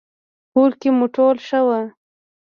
کور کې مو ټول ښه وو؟